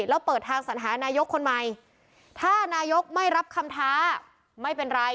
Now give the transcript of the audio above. แล้วเปิดทางสัญหานายกคนใหม่ถ้านายกไม่รับคำท้าไม่เป็นไร